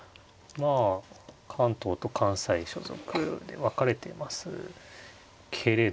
まあ関東と関西所属で分かれてますけれども。